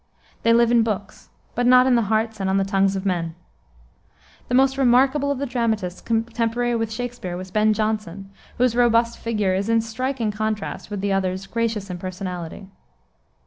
They live in books, but not in the hearts and on the tongues of men. The most remarkable of the dramatists contemporary with Shakspere was Ben Jonson, whose robust figure is in striking contrast with the other's gracious impersonality.